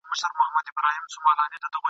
هم د ده هم یې د پلار د سر دښمن وي !.